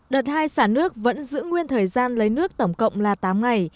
đợt hai xả nước vẫn giữ nguyên thời gian lấy nước tổng cộng là tám ngày